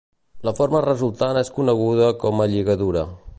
La forma resultant és coneguda com a lligadura.